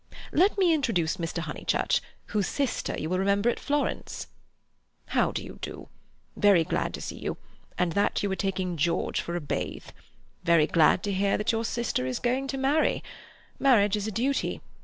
"Let me introduce Mr. Honeychurch, whose sister you will remember at Florence." "How do you do? Very glad to see you, and that you are taking George for a bathe. Very glad to hear that your sister is going to marry. Marriage is a duty.